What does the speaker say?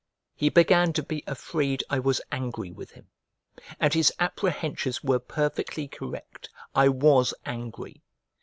He began to be afraid I was angry with him, and his apprehensions were perfectly correct; I was angry.